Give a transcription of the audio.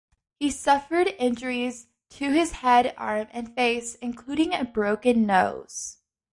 He suffered injuries to his head, arm and face, including a broken nose.